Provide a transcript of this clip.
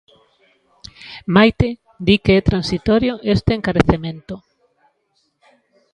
Maite, di que é transitorio este encarecemento...